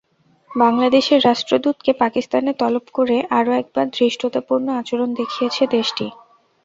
বাংলাদেশের রাষ্ট্রদূতকে পাকিস্তানে তলব করে আরও একবার ধৃষ্টতাপূর্ণ আচরণ দেখিয়েছে দেশটি।